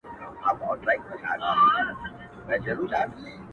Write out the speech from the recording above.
نينې په پټه نه چيچل کېږي.